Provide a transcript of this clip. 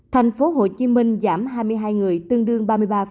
thành phố hồ chí minh giảm hai mươi hai người tương đương ba mươi ba